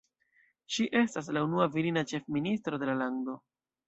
Ŝi estas la unua virina ĉefministro de la lando.